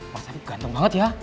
masa ganteng banget ya